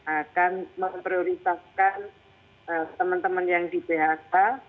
akan memprioritaskan teman teman yang di phk